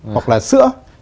hoặc là sữa